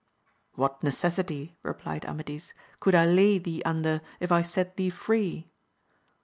What necessity, replied Amadis, could I lay thee under, if I set thee free